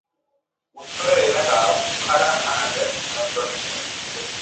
উত্তরের এলাকা বুখারা খানাতের নিয়ন্ত্রণে ছিল।